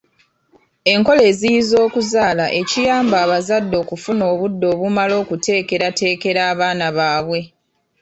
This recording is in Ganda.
Enkola eziyiza okuzaala ekiyamba abazadde okufuna obudde obumala okuteekerateekera abaana baabwe.